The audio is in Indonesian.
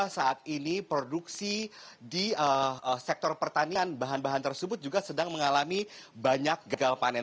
saat ini produksi di sektor pertanian bahan bahan tersebut juga sedang mengalami banyak gagal panen